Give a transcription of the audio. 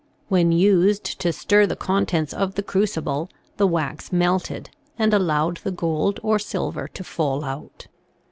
When used to stir the contents of the crucible the wax melted and allowed the gold or silver to fall out.